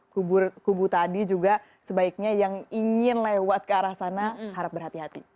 kubur kubu tadi juga sebaiknya yang ingin lewat ke arah sana harap berhati hati